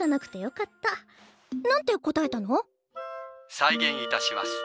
再現いたします。